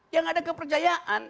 yang ada kepercayaan